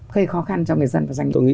gây khó khăn cho người dân và doanh nghiệp